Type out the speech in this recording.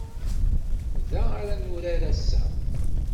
Da ara nurar ass-a.